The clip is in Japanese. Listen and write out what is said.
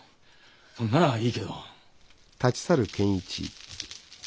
そんならいいけど。